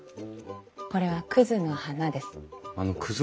これはクズの花です。